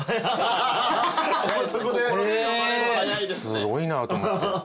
すごいなと思って。